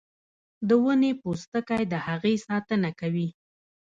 د ونې پوستکی د هغې ساتنه کوي